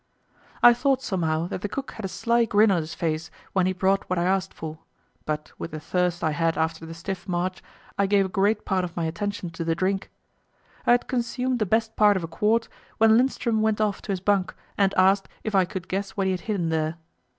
I thought somehow that the cook had a sly grin on his face when he brought what I asked for, but with the thirst I had after the stiff march, I gave a great part of my attention to the drink. I had consumed the best part of a quart, when Lindström went off to his bunk and asked if I could guess what he had hidden there.